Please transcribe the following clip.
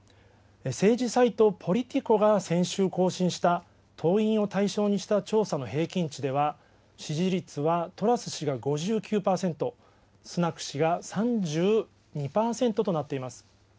政治サイト、ポリティコが先週更新した、党員を対象にした調査の平均値では、支持率はトラス氏が５９％、スナク氏が３２％となっています。